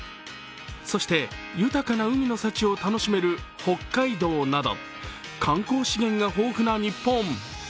そして豊かな海の幸を楽しめる北海道など観光資源が豊富な日本。